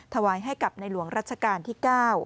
ถวายให้กับในหลวงรัชกาลที่๙